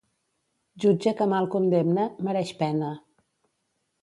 Jutge que mal condemna, mereix pena.